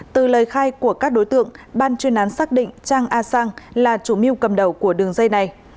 từ lời khai của các đối tượng ban chuyên án xác định trang a sang là chủ mưu cầm đầu của đường dây này